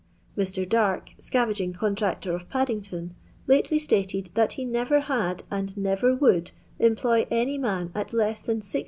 — Mr. Darke, scavensing con tractor of Paddington, kitely sUted that he never had, and never would, employ any man at less than 16*.